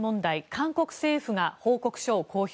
韓国政府が報告書を公表。